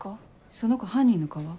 その子犯人の顔は？